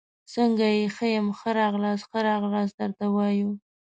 څنګه يي ، ښه يم، ښه راغلاست ، ښه راغلاست درته وایو